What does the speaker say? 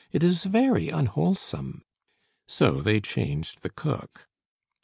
It is very unwholesome." So they changed the cook.